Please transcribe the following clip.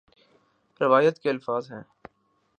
روایت کے الفاظ ہیں